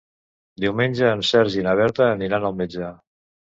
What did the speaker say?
Diumenge en Sergi i na Berta aniran al metge.